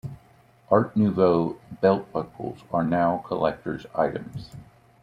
Art Nouveau belt buckles are now collectors' items.